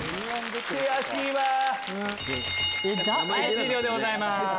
終了でございます。